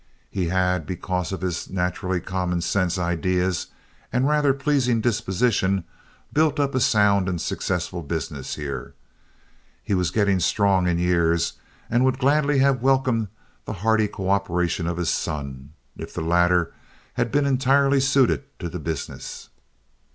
He had, because of his naturally common sense ideas and rather pleasing disposition built up a sound and successful business here. He was getting strong in years and would gladly have welcomed the hearty cooperation of his son, if the latter had been entirely suited to the business.